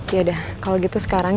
yaudah kalau gitu sekarang